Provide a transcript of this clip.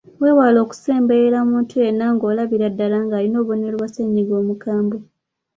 Weewale okusemberera muntu yenna gw’olabira ddala ng’alina obubonero bwa ssennyiga omukambwe.